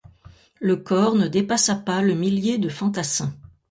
Le corps ne dépassa pas le millier de fantassins.